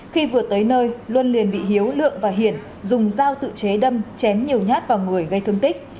khi vừa tới nơi luân liền bị hiếu lượng và hiển dùng dao tự chế đâm chém nhiều nhát vào người gây thương tích